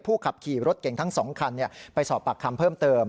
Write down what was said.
ขับขี่รถเก่งทั้ง๒คันไปสอบปากคำเพิ่มเติม